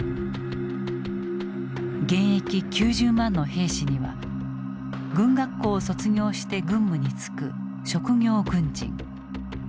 現役９０万の兵士には軍学校を卒業して軍務に就く職業軍人。